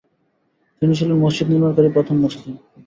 তিনি ছিলেন মসজিদ নির্মাণকারী প্রথম মুসলিম।